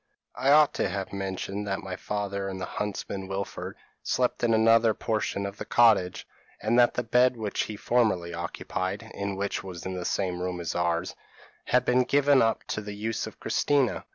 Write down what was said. I ought to have mentioned that my father and the huntsman Wilfred, slept in another portion of the cottage, and that the bed which he formerly occupied, and which was in the same room as ours, had been given up to the use of Christina.